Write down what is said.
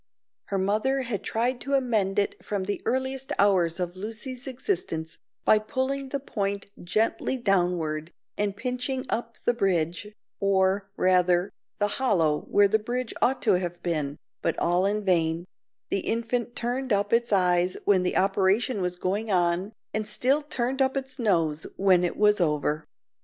Her mother had tried to amend it from the earliest hours of Lucy's existence by pulling the point gently downwards and pinching up the bridge, or, rather, the hollow where the bridge ought to have been, but all in vain; the infant turned up its eyes when the operation was going on, and still turned up its nose when it was over.